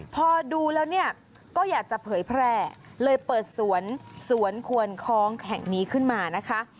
พอดูแล้วเนี่ยก็อยากจะเผยแพร่เลยเปิดสวนสวนควนคล้องแห่งนี้ขึ้นมานะคะ